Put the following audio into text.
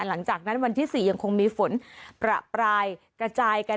หลังจากที่วันที่๔ยังคงมีฝนประปรายกระจายกัน